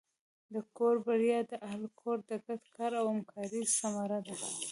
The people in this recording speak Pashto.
د کور بریا د اهلِ کور د ګډ کار او همکارۍ ثمره ده.